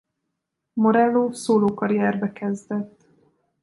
Morello szólókarrierbe kezdett.